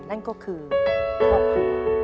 นั่นก็คือพ่อปลัว